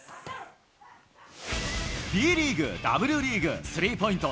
Ｂリーグ、Ｗリーグ、スリーポイント